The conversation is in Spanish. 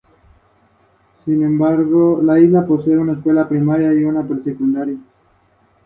Sin embargo, la canción ha desaparecido por ahora.